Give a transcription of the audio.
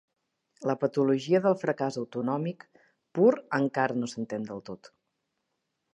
La patologia del fracàs autonòmic pur encara no s'entén del tot.